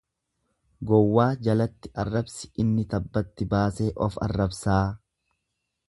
Gowwaa jalatti arrabsi inni tabbatti baasee of arrabsaa.